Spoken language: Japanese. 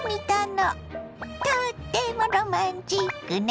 とってもロマンチックね。